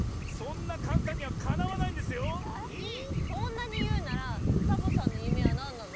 そんなにいうならサボさんの夢はなんなの？